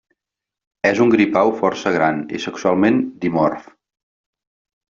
És un gripau força gran i sexualment dimorf.